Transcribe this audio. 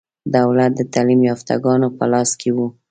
دولت د تعلیم یافته ګانو په لاس کې و.